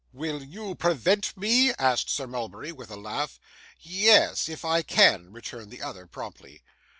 'Will you prevent me?' asked Sir Mulberry, with a laugh. 'Ye es, if I can,' returned the other, promptly.